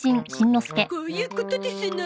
こういうことですの。